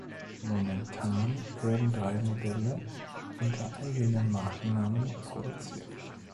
Momentan werden drei Modelle unter eigenem Markennamen produziert.